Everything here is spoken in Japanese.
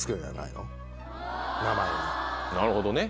なるほどね。